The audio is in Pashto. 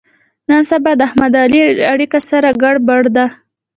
نن سبا د احمد او علي اړیکه سره ګړبړ ده.